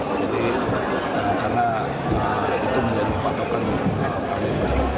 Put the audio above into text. karena itu menjadi patokan kami